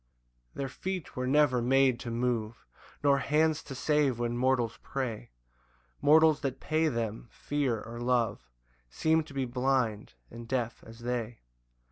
6 Their feet were never made to move, Nor hands to save when mortals pray; Mortals that pay them fear or love Seem to be blind and deaf as they.